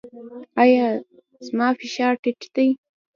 ایا زما فشار ټیټ دی؟